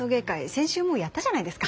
先週もうやったじゃないですか。